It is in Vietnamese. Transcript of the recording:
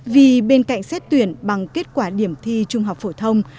vì bên cạnh xét tuyển bằng kết quả điểm thi trung học phổ thông